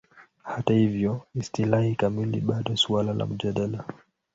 Hata hivyo, istilahi kamili bado suala la mjadala.